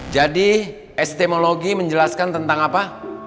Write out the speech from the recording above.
jadi estimologi menjelaskan tentang apa